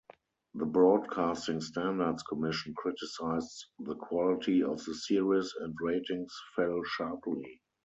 The broadcasting standards commission criticised the quality of the series and ratings fell sharply.